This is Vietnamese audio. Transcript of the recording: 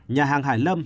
nhà hàng hải lâm